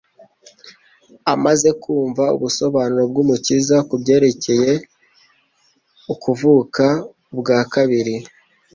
Amaze kumva ubusobanuro bw'Umukiza ku byerekcye ukuvuka ubwa kabiri,